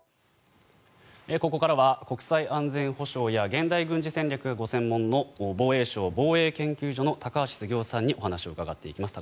ここからは国際安全保障や現代軍事戦略がご専門の防衛省防衛研究所の高橋杉雄さんにお話を伺っていきます。